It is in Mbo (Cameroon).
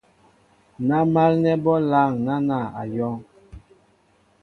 Ná málnɛ́ bɔ́ lâŋ náná , á yɔ̄ŋ.